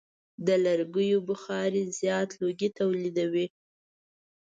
د لرګیو بخاري زیات لوګی تولیدوي.